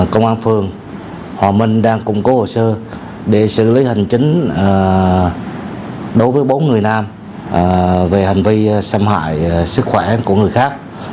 công an phường hòa minh đang củng cố hồ sơ để xử lý hành chính đối với bốn người nam về hành vi xâm hại sức khỏe của người khác